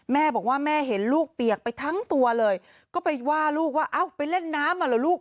แม่บอกว่าแม่เห็นลูกเปียกไปทั้งตัวเลยก็ไปว่าลูกว่าเอ้าไปเล่นน้ำอ่ะเหรอลูก